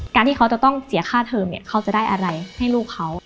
การที่เขาจะต้องเสียค่าเทอมเนี่ยเขาจะได้อะไรให้ลูกเขา